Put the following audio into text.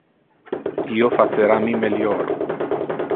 Io facera mi melior.